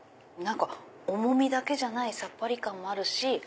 重みだけじゃないさっぱり感もあるし。